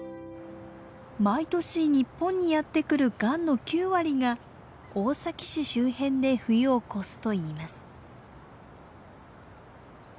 毎年日本にやって来るガンの９割が大崎市周辺で冬を越すといいます。